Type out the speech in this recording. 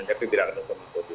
tapi tidak untuk mengungkuti